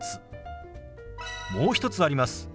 もう一つあります。